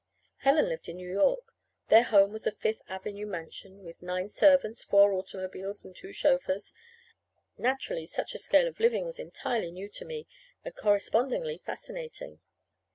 Helen lived in New York. Their home was a Fifth Avenue mansion with nine servants, four automobiles, and two chauffeurs. Naturally such a scale of living was entirely new to me, and correspondingly fascinating.